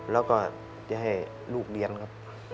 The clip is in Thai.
แล้วก็จะให้ลูกเรียนครับ